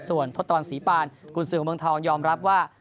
ทศตรวรรณศรีปานคุณศึงเมืองทองยอมรับว่า